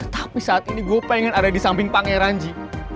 tapi saat ini gue pengen ada di samping pangeran ji